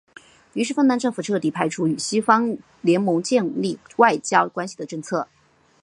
于是芬兰政府彻底排除与西方盟国建立外交关系的政策。